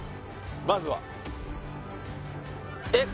まずはえっ